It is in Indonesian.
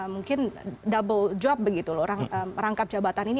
mungkin double job begitu loh orang rangkap jabatan ini